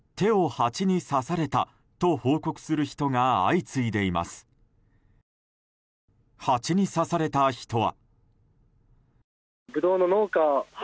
ハチに刺された人は。